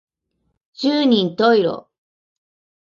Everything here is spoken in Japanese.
十人十色